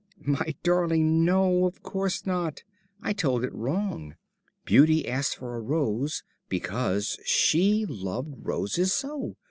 "My darling, no, of course not. I told it wrong. Beauty asked for a rose because she loved roses so.